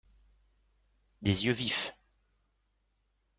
Des yeux vifs.